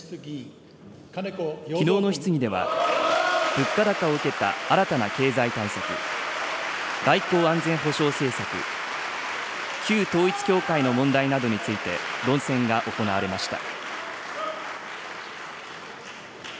きのうの質疑では、物価高を受けた新たな経済対策、外交・安全保障政策、旧統一教会の問題などについて論戦が行われました。